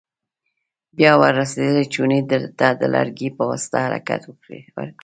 بیا ور رسېدلې چونې ته د لرګي په واسطه حرکت ورکړئ.